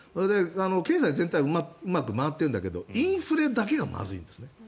経済全体はうまく回っているんだけどインフレだけがまずいんですね。